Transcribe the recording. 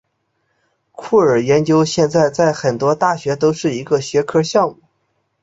酷儿研究现在在很多大学都是一个学科项目。